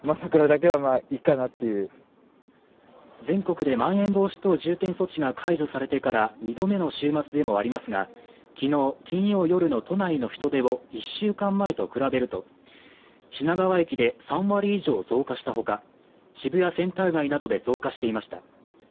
全国でまん延防止等重点措置が解除されてから２度目の週末でもありますが、きのう金曜夜の都内の人出を１週間前と比べると、品川駅で３割以上増加したほか、渋谷センター街などで増加していました。